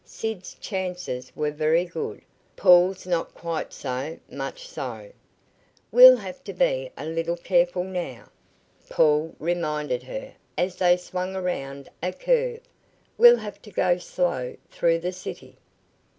Sid's chances were very good Paul's not quite so much so. "We'll have to be a little careful now," Paul reminded her as they swung around a curve. "We'll have to go slow through the city."